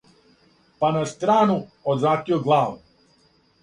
Па на страну одвратио главу,